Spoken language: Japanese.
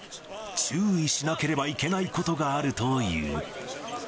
注意しなければいけないことがあるという。